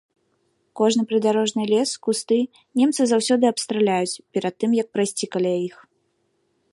Кожны прыдарожны лес, кусты немцы заўсёды абстраляюць, перад тым як прайсці каля іх.